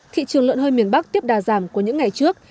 thị trường lợn hơi miền bắc tiếp đà giảm của những ngày trước